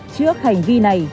trước hành vi này